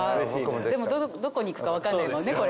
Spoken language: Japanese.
でもどこにいくか分かんないもんね